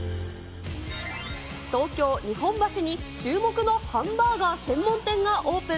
東京・日本橋に注目のハンバーガー専門店がオープン。